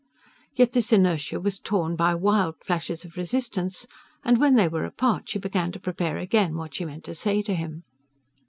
Yet this inertia was torn by wild flashes of resistance, and when they were apart she began to prepare again what she meant to say to him.